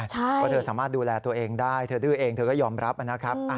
เพราะเธอสามารถดูแลตัวเองได้เธอดื้อเองเธอก็ยอมรับนะครับ